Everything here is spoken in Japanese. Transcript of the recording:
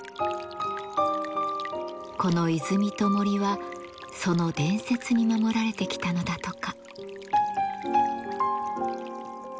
この泉と森はその伝説に守られてきたのだとか。